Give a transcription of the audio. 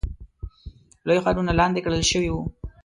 لوی ښارونه لاندې کړل شوي وو.